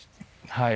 はい。